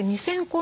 ２，０００個。